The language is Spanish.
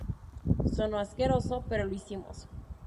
Sonó asqueroso, pero lo hicimos.